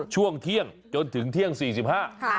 ช่วงเที่ยงจนถึงเที่ยง๔๕บาท